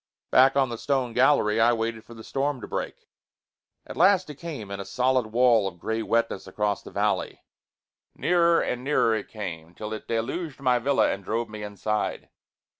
Back on the stone gallery I waited for the storm to break. At last it came in a solid wall of gray wetness across the valley. Nearer and nearer it came till it deluged my villa and drove me inside.